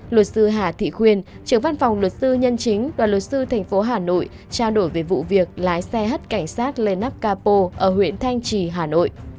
luật sư hà thị khuyên trưởng văn phòng luật sư nhân chính đoàn luật sư thành phố hà nội trao đổi về vụ việc lái xe hất cảnh sát lê naup capo ở huyện thanh trì hà nội